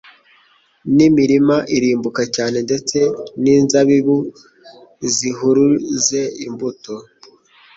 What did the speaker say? n’imirima irumbuka cyane ndetse n’inzabibu zihuruze imbuto.